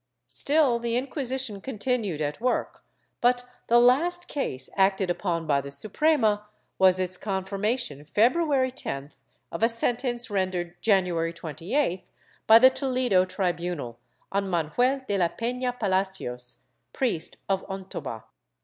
Still the Inquisition continued at work, but the last case acted upon by the Suprema was its confirmation, February 10th, of a sentence rendered January 28th, by the Toledo tribunal, on Manuel de la Peha Palacios, priest of Ontoba.